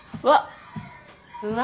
うわ。